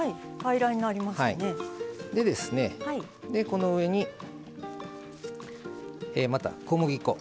この上にまた小麦粉。